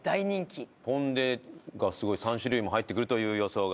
ポン・デがすごい３種類も入ってくるという予想が。